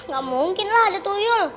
gak mungkin lah ada tuyul